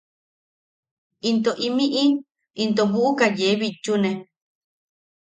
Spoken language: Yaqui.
Into imi’i into bu’uka yee bitchune.